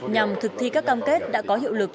nhằm thực thi các cam kết đã có hiệu lực